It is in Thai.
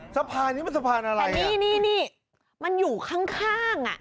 สะพานนี้มันสะพานอะไรแต่นี่นี่มันอยู่ข้างข้างอ่ะ